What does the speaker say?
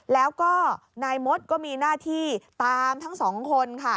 แล้วก็นายมดก็มีหน้าที่ตามทั้งสองคนค่ะ